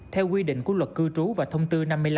theo quy định của luật cư trú và thông tư năm mươi năm